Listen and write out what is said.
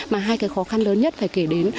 mà hai cái khó khăn lớn nhất phải kể đến